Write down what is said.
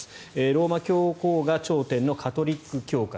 ローマ教皇が頂点のカトリック教会。